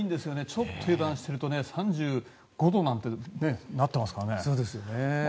ちょっと油断していると３５度なんてなってますからね。